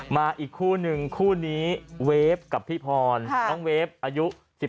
มาอีกคู่หนึ่งคู่นี้เวฟกับพี่พรน้องเวฟอายุ๑๓